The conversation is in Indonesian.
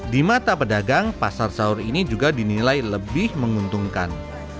dimata pedagang pasar sahur ini juga dinilai lebih menguntungkan